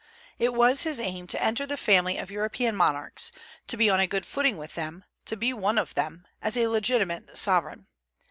It was his aim to enter the family of European monarchs, to be on a good footing with them, to be one of them, as a legitimate sovereign.